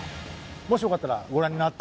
もしよかったらご覧になって。